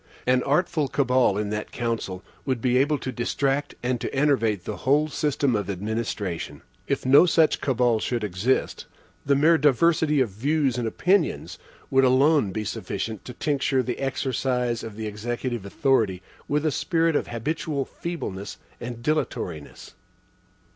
An artful cabal in that council would be able to distract and to enervate the whole system of administration. If no such cabal should exist, the mere diversity of views and opinions would alone be sufficient to tincture the exercise of the executive authority with a spirit of habitual feebleness and dilatoriness.